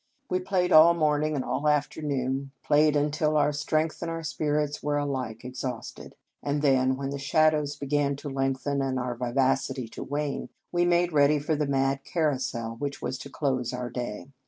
We played all morning and all after noon, played until our strength and our spirits were alike exhausted; and then, when the shadows began to lengthen, and our vivacity to wane, we made ready for the mad carousal which was to close our day.